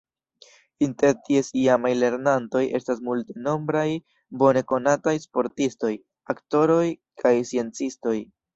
Inter ties iamaj lernantoj estas multenombraj bone konataj sportistoj, aktoroj kaj sciencistoj.